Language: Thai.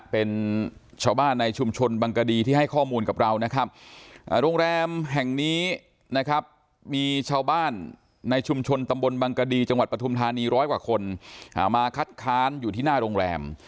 เป็นชาวบ้านในชุมชนบังกดีที่ให้ข้อมูลกับเรานะครับโรงแรมแห่งนี้นะครับมีชาวบ้านในชุมชนตำบลบังกดีจังหวัดปฐุมธานีร้อยกว่าคนมาคัดค้านอยู่ที่หน้าโรงแรม